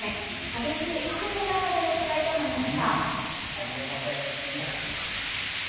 激しい雨の中での最後まで見たかった。